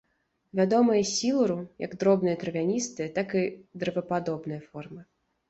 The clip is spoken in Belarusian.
Вядомыя з сілуру, як дробныя травяністыя, так і дрэвападобныя формы.